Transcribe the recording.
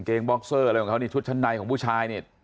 บ็อกเซอร์อะไรของเขานี่ชุดชั้นในของผู้ชายนี่